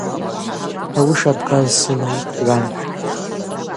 Ауи шабгаз сыла йхъгӏван.